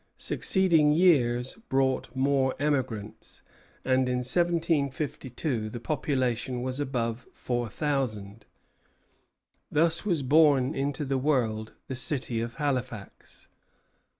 Succeeding years brought more emigrants, till in 1752 the population was above four thousand. Thus was born into the world the city of Halifax.